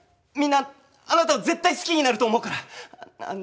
みんなあなたを絶対好きになると思うから！